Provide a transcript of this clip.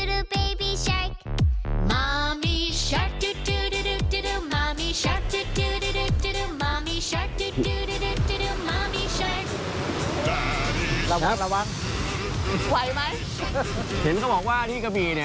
ระวังระวังหวัยไหมเว็บมันบอกว่าที่เกมีเนี่ย